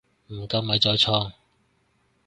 唔夠咪再創